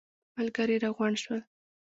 ملګري راغونډ شول.